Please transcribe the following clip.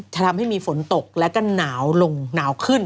ทำให้มีฝนตกและก็หนาวลงหนาวขึ้น